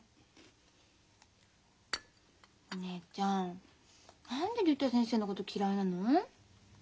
お姉ちゃん何で竜太先生のこと嫌いなの？